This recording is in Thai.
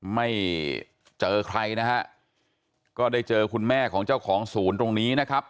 ไม่เจอใครนะฮะก็ได้เจอคุณแม่ของเจ้าของศูนย์ตรงนี้นะครับ